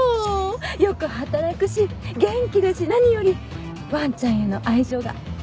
よく働くし元気だし何よりわんちゃんへの愛情が抜群でしょう？